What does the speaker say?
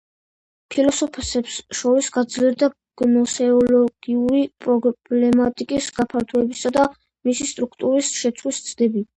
ფილოსოფოსებს შორის გაძლიერდა გნოსეოლოგიური პრობლემატიკის გაფართოებისა და მისი სტრუქტურის შეცვლის ცდები.